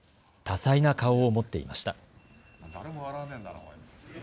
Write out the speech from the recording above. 多彩な顔を持っていました。